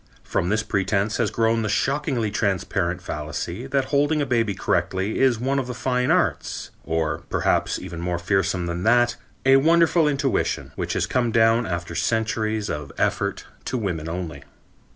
From this pretense has grown the shockingly transparent fallacy that holding a baby correctly is one of the fine arts; or, perhaps even more fearsome than that, a wonderful intuition, which has come down after centuries of effort to women only.